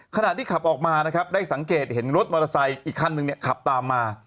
ขณะที่ขับออกมานะครับได้สังเกตเห็นรถมอเตอร์ไซค์อีกคันนึงเนี่ยขับตามมา